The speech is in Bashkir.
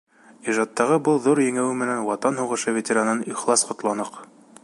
Ижадтағы был ҙур еңеүе менән Ватан һуғышы ветеранын ихлас ҡотланыҡ.